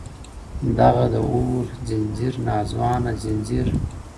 دغه د اور ځنځير ناځوانه ځنځير ـ